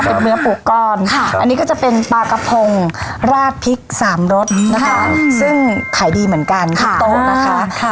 เป็นเนื้อปลูกก้อนค่ะอันนี้ก็จะเป็นปลากระพงราดพริกสามรสนะคะซึ่งขายดีเหมือนกันทุกโต๊ะนะคะ